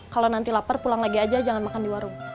kalau nanti lapar pulang lagi aja jangan makan di warung